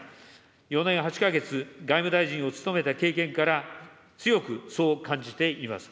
４年８か月、外務大臣を務めた経験から、強くそう感じています。